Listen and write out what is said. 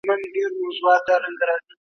دا لويه غونډه به بحران پای ته ورسوي.